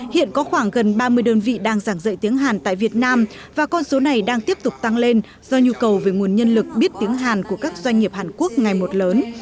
hiện có khoảng gần ba mươi đơn vị đang giảng dạy tiếng hàn tại việt nam và con số này đang tiếp tục tăng lên do nhu cầu về nguồn nhân lực biết tiếng hàn của các doanh nghiệp hàn quốc ngày một lớn